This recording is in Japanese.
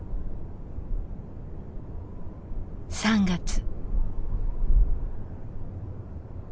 ３月。